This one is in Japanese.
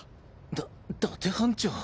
だ伊達班長！？